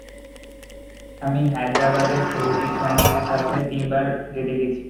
আমি হায়দ্রাবাদের ছেলেটির সাথে তিনবার ডেটে গেছি।